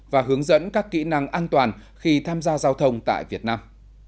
và hướng dẫn các kỹ năng an toàn khi tham gia giao thông tại việt nam